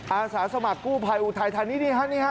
อาสาสมัครกู้ภัยอุทัยธานีนี่ฮะ